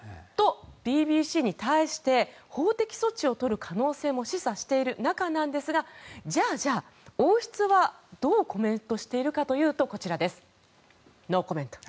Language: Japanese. ＢＢＣに対して法的措置をとる可能性も示唆している中なんですがじゃあ、王室はどうコメントしているかというとノーコメントと。